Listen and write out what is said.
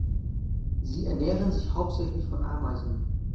Sie ernähren sich hauptsächlich von Ameisen.